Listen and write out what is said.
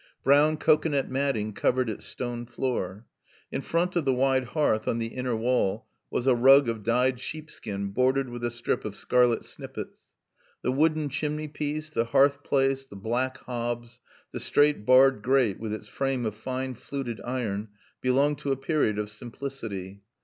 Brown cocoanut matting covered its stone floor. In front of the wide hearth on the inner wall was a rug of dyed sheepskin bordered with a strip of scarlet snippets. The wooden chimney piece, the hearth place, the black hobs, the straight barred grate with its frame of fine fluted iron, belonged to a period of simplicity.